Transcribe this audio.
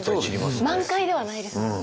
満開ではないですもんね。